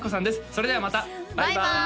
それではまたバイバーイ！